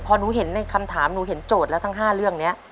พอหนูเห็นในคำถามหนูเห็นโจทย์แล้วทั้ง๕เรื่องนี้